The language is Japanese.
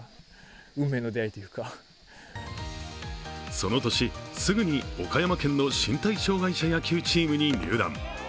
その年、すぐに岡山県の身体障害者野球チームに入団。